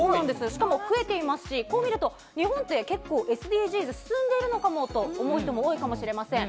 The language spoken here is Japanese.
しかも増えていますし、こう見ると日本って、結構、ＳＤＧｓ、進んでいるのかもと思う人も多いかもしれません。